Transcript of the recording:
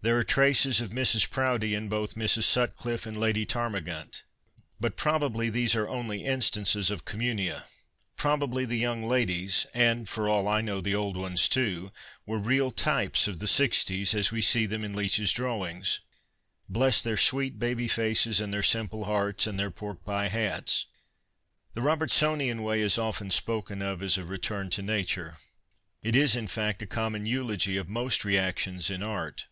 There are traces of Mrs. Proudie in both Mrs. Sutcliffe and Lady Ptarmigant. But, probably, these also are only instances of communia. Probably the young ladies (and, for all I know, the old ones, too) were real types of the 'sixties, as we see them in Leech's drawings. Bless tiicir sweet baby faces and their simple hearts and their pork pie hats ! The Robcrtsonian way is often spoken of as a " return to nature." It is, in fact, a common eulogy of most reactions in art.